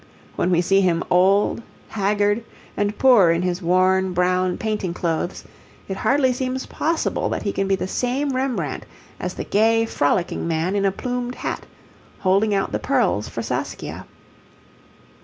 When we see him old, haggard, and poor in his worn brown painting clothes, it hardly seems possible that he can be the same Rembrandt as the gay, frolicking man in a plumed hat, holding out the pearls for Saskia.